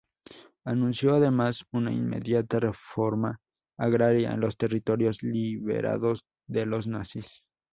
Anunció además una inmediata reforma agraria en los territorios liberados de los nazis.